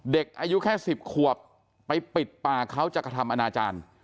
เด็กอายุแค่๑๐ขวบไปปิดป่าเขาจะกระทำอนาจารย์